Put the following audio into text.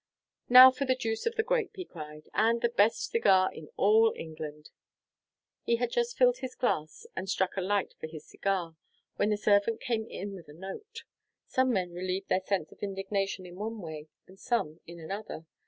"Now for the juice of the grape," he cried, "and the best cigar in all England!" He had just filled his glass, and struck a light for his cigar, when the servant came in with a note. Some men relieve their sense of indignation in one way, and some in another.